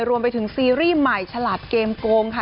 รวมไปถึงซีรีส์ใหม่ฉลาดเกมโกงค่ะ